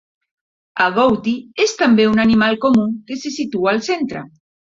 Agouti és també un animal comú que se situa al centre.